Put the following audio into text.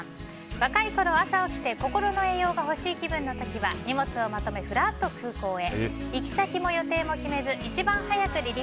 若いころ、朝起きて心の栄養が欲しい気分の時は荷物をまとめ、ふらっと空港へ。